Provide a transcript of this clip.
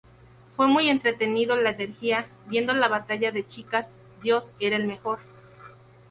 Fue muy entretenido, la energía, viendo la batalla de chicas... Dios, era el mejor.